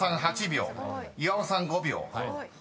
８秒岩尾さん５秒］